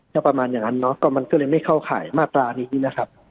ก็ประมาณอย่างนั้นเนาะก็มันก็เลยไม่เข้าข่ายมาตรานี้นะครับ